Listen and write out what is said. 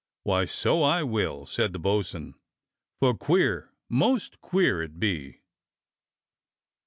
"Why, so I will," said the bo'sun, "for queer, most queer it be."